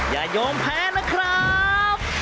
อย่ายอมแพ้นะครับ